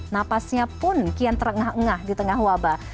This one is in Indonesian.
napasnya pun kian terengah engah di tengah wabah